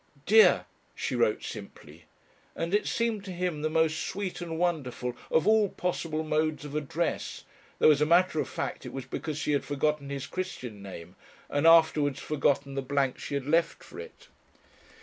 "Dear," she wrote simply, and it seemed to him the most sweet and wonderful of all possible modes of address, though as a matter of fact it was because she had forgotten his Christian name and afterwards forgotten the blank she had left for it.